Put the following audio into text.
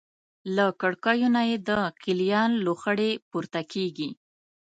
له کړکیو نه یې د قلیان لوخړې پورته کېږي.